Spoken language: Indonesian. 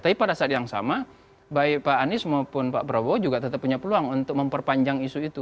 tapi pada saat yang sama baik pak anies maupun pak prabowo juga tetap punya peluang untuk memperpanjang isu itu